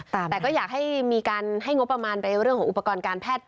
แต่ก็อยากให้มีการให้งบประมาณไปเรื่องของอุปกรณ์การแพทย์